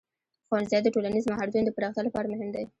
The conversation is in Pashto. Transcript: ښوونځی د ټولنیز مهارتونو د پراختیا لپاره مهم دی.